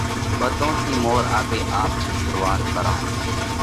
ٻڌون ٿِي مور آپي آپ ٿِي شرُوعات ڪرون